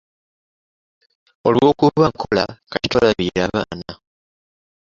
Olw'okuba nkola kati tolabirira baana.